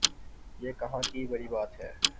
یہ کہاں کی بری بات ہے؟